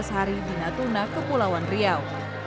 tujuh belas hari di natuna kepulauan riau